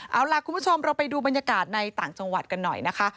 เอาล่ะคุณผู้ชมเราไปดูบรรยากาศในต่างจังหวัดกันหน่อยนะคะ